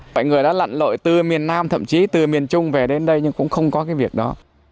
mọi người đã lặn lội từ miền nam thậm chí từ miền trung về đến đây nhưng cũng không có cái việc đó